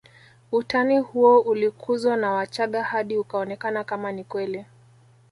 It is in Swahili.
Utani huo ulikuzwa na wachaga hadi ukaonekana kama ni kweli